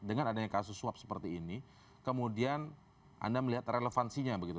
dengan adanya kasus suap seperti ini kemudian anda melihat relevansinya begitu